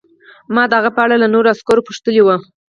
ما د هغه په اړه له نورو عسکرو پوښتلي وو